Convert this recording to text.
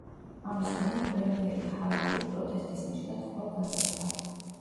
ამის გამო პრემიერი ჰარირი, პროტესტის ნიშნად კვლავ გადადგა.